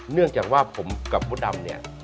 เนื่องจากว่าผมกับมดดำเนี่ย